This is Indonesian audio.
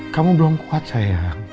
kamu belum kuat sayang